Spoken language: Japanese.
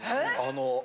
あの。